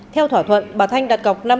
theo thỏa thuận bà thanh đặt gọc